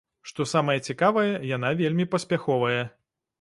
Што самае цікавае, яна вельмі паспяховая.